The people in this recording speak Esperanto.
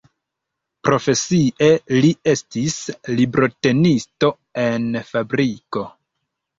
Profesie li estis librotenisto en fabriko.